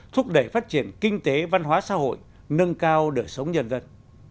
thúc đẩy phát triển kinh tế văn hóa xã hội nâng cao đời sống nhân dân